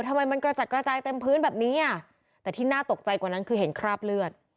ทำไมมันกระจัดกระจายเต็มพื้นแบบนี้อ่ะแต่ที่น่าตกใจกว่านั้นคือเห็นคราบเลือด